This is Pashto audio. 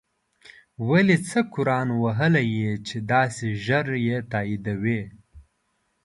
ولی څه قرآن وهلی یی چی داسی ژر یی تاییدوی